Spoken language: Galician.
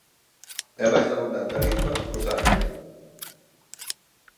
É máis abundante a linfa que o sangue.